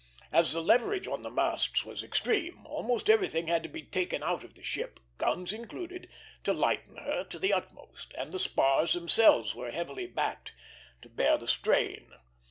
As the leverage on the masts was extreme, almost everything had to be taken out of the ship, guns included, to lighten her to the utmost; and the spars themselves were heavily backed to bear the strain.